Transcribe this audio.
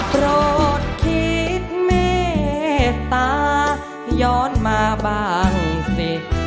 โกรธคิดเมตตาย้อนมาบ้างสิ